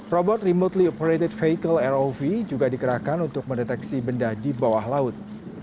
robot remotely operated vehicle rov juga dikerahkan untuk mendeteksi benda di bawah laut